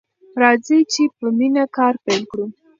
راځئ چې په مینه کار پیل کړو.